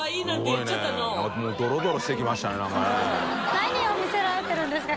何を見せられてるんですか？